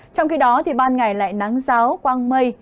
trong khi đó ban ngày lại nắng giáo quang mây